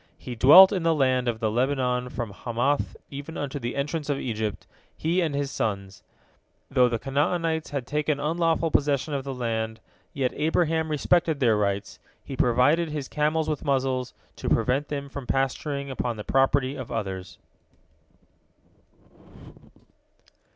He dwelt in the land of the Lebanon from Hamath even unto the entrance of Egypt, he and his sons. Though the Canaanites had taken unlawful possession of the land, yet Abraham respected their rights; he provided his camels with muzzles, to prevent them from pasturing upon the property of others.